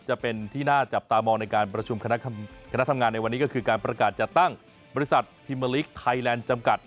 จะเป็นที่น่าจับตามองในการประชุมคณะทำงานในวันนี้ก็คือการประกาศจัดตั้งบริษัทพิมเมอร์ลิกไทยแลนด์จำกัด